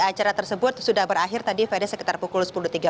acara tersebut sudah berakhir tadi ferry sekitar pukul sepuluh tiga puluh